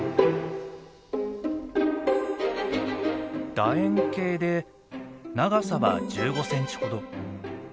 だ円形で長さは１５センチほど。